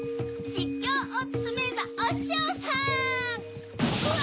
しゅぎょうをつめばおしょうさんうわ！